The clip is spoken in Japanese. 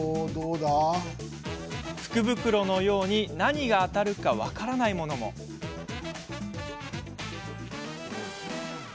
福袋のように何が当たるか分からないものもあります。